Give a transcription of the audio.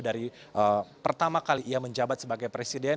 dari pertama kali ia menjabat sebagai presiden